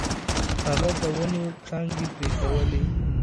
هغه د ونو څانګې پرې کولې.